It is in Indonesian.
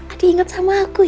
adi ingat sama aku ya